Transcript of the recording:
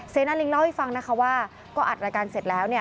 นาลิงเล่าให้ฟังนะคะว่าก็อัดรายการเสร็จแล้วเนี่ย